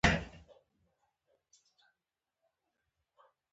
ځینې فلمونه د احساساتو ژوره معنا لري.